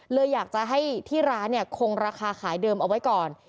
เลยอยากจะให้ที่ร้านเนี่ยคงราคาขายเดิมเอาไว้ก่อน